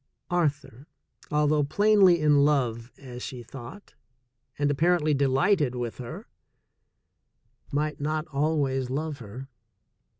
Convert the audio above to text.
Arthur, although plainly in love, as she thought, and apparently delighted with her, might not always love her.